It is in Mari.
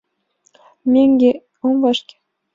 — Мӧҥгӧ ом вашке.